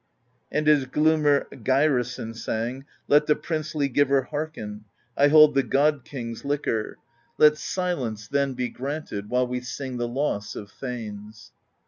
And as Gliimr Geirason sang: Let the Princely Giver hearken: I hold the God King's liquor; THE POESY OF SKALDS 105 Let silence, then, be granted, While we sing the loss of thanes.